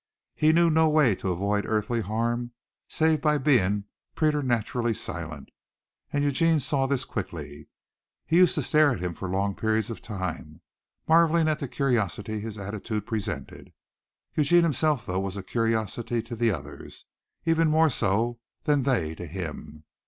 He knew no way to avoid earthly harm save by being preternaturally silent, and Eugene saw this quickly. He used to stare at him for long periods at a time, marvelling at the curiosity his attitude presented. Eugene himself, though, was a curiosity to the others, even more so than they to him.